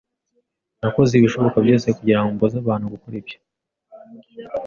Nakoze ibishoboka byose kugirango mbuze abantu gukora ibyo.